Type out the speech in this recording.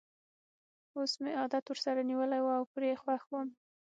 اوس مې عادت ورسره نیولی وو او پرې خوښ وم.